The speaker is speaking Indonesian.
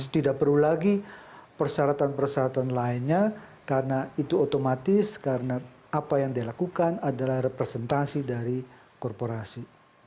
tidak perlu lagi persyaratan persyaratan lainnya karena itu otomatis karena apa yang dia lakukan adalah representasi dari korporasi